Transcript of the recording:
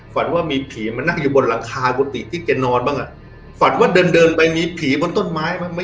ฝันว่ามีผีมานั่งอยู่บนหลังคากุฏิที่แกนอนบ้างอ่ะฝันว่าเดินเดินไปมีผีบนต้นไม้บ้างไหม